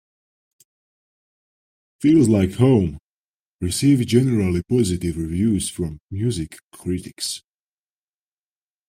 "Feels Like Home" received generally positive reviews from music critics.